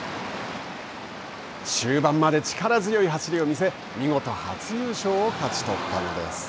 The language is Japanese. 終盤まで力強い走りを見せ見事初優勝を勝ち取ったのです。